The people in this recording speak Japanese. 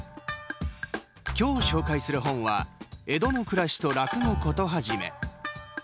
今日紹介する本は「江戸の暮らしと落語ことはじめ」。